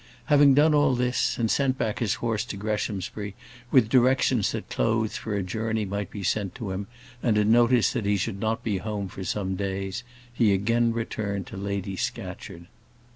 Having done all this, and sent back his horse to Greshamsbury, with directions that clothes for a journey might be sent to him, and a notice that he should not be home for some days, he again returned to Lady Scatcherd.